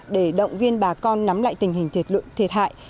để động viên bà con nắm lại tình hình thiệt hại